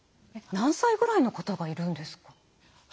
何歳ぐらいの方がいるんですか？